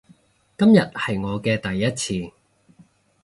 今次係我嘅第一次